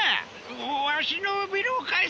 わしのビルを返せ！